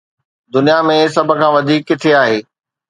دنيا ۾ سڀ کان وڌيڪ ڪٿي آهي؟